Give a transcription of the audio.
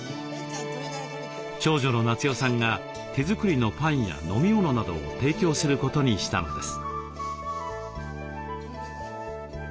長女の奈津代さんが手作りのパンや飲み物などを提供することにしたのです。